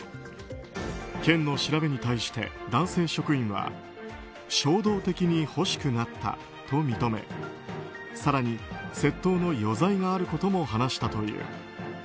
県の調べに対して、男性職員は衝動的に欲しくなったと認め更に窃盗の余罪があることも話したという。